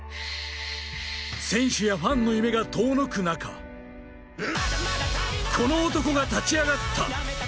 選手やファンの夢が遠のく中、この男が立ち上がった。